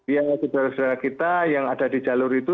yang di jalan jalan kita yang ada di jalur itu